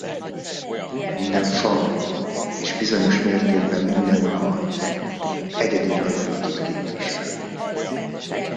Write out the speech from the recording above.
Minden faj és bizonyos mértékben minden hal egyedi rajzolatot visel.